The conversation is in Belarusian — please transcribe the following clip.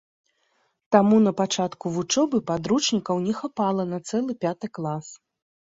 Таму на пачатку вучобы падручнікаў не хапала на цэлы пяты клас.